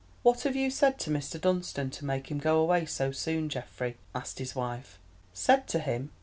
"What have you said to Mr. Dunstan to make him go away so soon, Geoffrey?" asked his wife. "Said to him?